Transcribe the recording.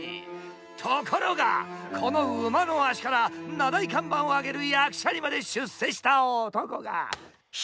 ところが、この馬の足から名題看板を上げる役者にまで出世した男が、１人いる。